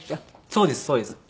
そうですそうです。